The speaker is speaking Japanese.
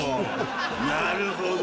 なるほど。